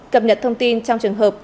cập nhật thông tin trong trường hợp